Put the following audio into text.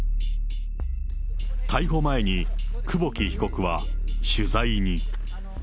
逮捕前に、久保木被告は取材に。